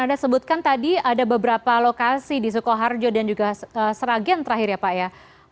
anda sebutkan tadi ada beberapa lokasi di sukoharjo dan juga sragen terakhir ya pak ya